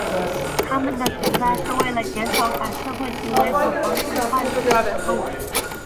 他们的存在是为了减少反社会行为和防止犯罪活动。